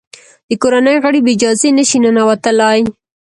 د کورنۍ غړي بې اجازې نه شي ننوتلای.